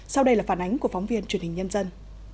sau đây là phản ánh của phóng viên truyền hình nhân dân